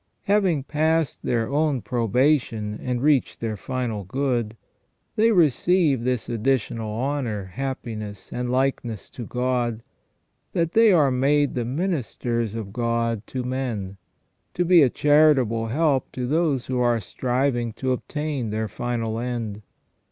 Having passed their own probation and reached their final good, they receive this additional honour, happiness, and likeness to God, that they are made the ministers of God to men, to be a charitable help to those who are striving to obtain their final end.